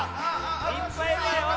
いっぱいいるわよ。